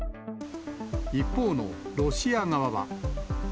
一方のロシア側は。